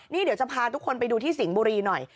นี่เดี๋ยวจะพาทุกคนไปดูที่สิงห์บุรีหน่อย